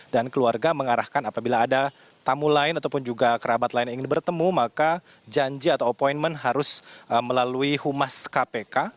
dan keluarga mengarahkan apabila ada tamu lain ataupun juga kerabat lain yang ingin bertemu maka janji atau appointment harus melalui humas kpk